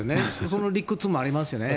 その理屈もありますよね。